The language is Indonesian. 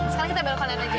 sekarang kita belok kanan aja